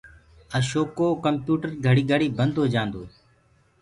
اشوڪو ڪمپيوٽر گھڙي گھڙي بنٚد هوجآنٚدو هي